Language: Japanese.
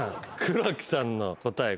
黒木さんの答え